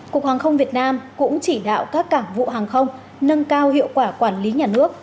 cục hàng không việt nam cũng chỉ đạo các cảng vụ hàng không nâng cao hiệu quả quản lý nhà nước